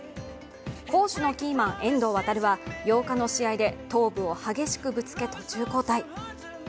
攻守のキーマン遠藤航は８日の試合で頭部を激しくぶつけ、途中交代。